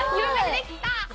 できた！